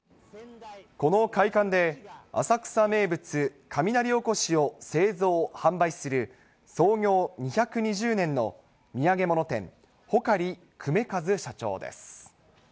この会館で、浅草名物、雷おこしを製造・販売する創業２２０年の土産物店、穂刈久米一社長です。